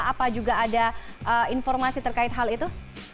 apa juga ada informasi terkait hal itu